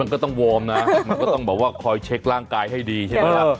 มันก็ต้องวอร์มนะมันก็ต้องแบบว่าคอยเช็คร่างกายให้ดีใช่ไหมล่ะ